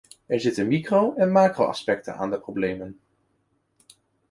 Er zitten micro- en macro-aspecten aan de problemen.